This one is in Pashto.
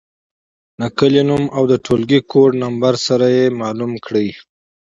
د کلي نوم او د ټولګي کوډ نمبر سره یې مشخص کړئ.